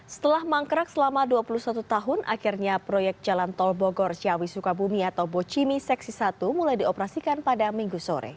setelah mangkrak selama dua puluh satu tahun akhirnya proyek jalan tol bogor ciawi sukabumi atau bocimi seksi satu mulai dioperasikan pada minggu sore